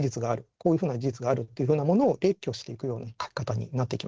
こういうふうな事実があるっていうふうなものを列挙していくような書き方になってきます。